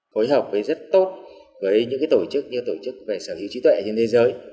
phối hợp với rất tốt với những tổ chức như tổ chức về sở hữu trí tuệ trên thế giới